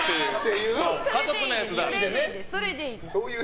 それでいいです。